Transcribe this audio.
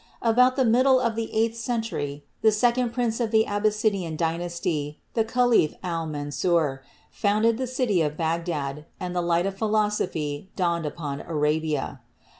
About the middle of the eighth century the second prince of the Abbassidean dynasty, the caliph Al Mansur, founded the city of Bagdad and the light of philosophy dawned upon Arabia.